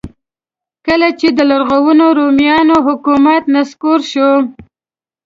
کله چې د لرغونو رومیانو حکومت نسکور شو.